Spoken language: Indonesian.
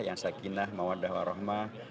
yang sekinah mawaddah warohmah